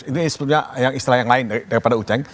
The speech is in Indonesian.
ini istilah yang lain daripada u ceng